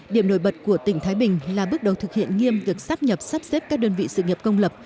điểm nổi bật của tỉnh thái bình là bước đầu thực hiện nghiêm việc sắp nhập sắp xếp các đơn vị sự nghiệp công lập